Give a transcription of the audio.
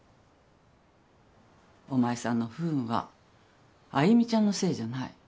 お前さんの不運は愛魅ちゃんのせいじゃない。